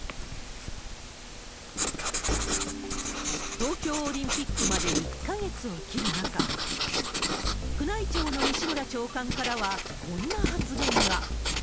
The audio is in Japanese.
東京オリンピックまで１か月を切る中、宮内庁の西村長官からは、こんな発言が。